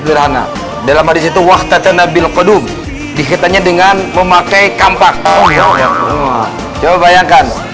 sederhana dalam hadits itu wahtatana bilqudum dikitanya dengan memakai kampak coba bayangkan